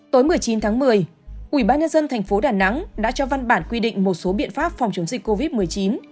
tối một mươi chín tháng một mươi ubnd tp đà nẵng đã cho văn bản quy định một số biện pháp phòng chống dịch covid một mươi chín